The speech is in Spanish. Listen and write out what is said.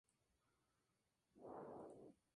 Se utilizó principalmente en la construcción de iglesias.